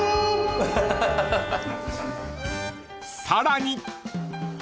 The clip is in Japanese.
［さらに］